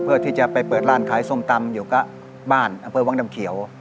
เพื่อที่จะไปเปิดร้านขายส้มตำอยู่กับบ้านอำเภอวังดำเขียว